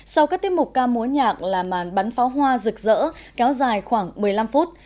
sau các tiết mục ca múa nhạc là màn bắn pháo hoa rực rỡ kéo dài khoảng một mươi năm phút